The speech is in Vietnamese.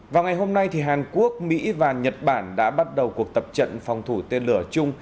vào ngày hôm nay hàn quốc mỹ và nhật bản đã bắt đầu cuộc tập trận phòng thủ tên lửa chung